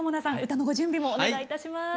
歌のご準備もお願いいたします。